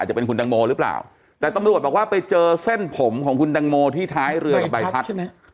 จะเป็นคุณตังโมหรือเปล่าแต่ตำรวจบอกว่าไปเจอเส้นผมของคุณตังโมที่ท้ายเรือกับใบพัดใช่ไหม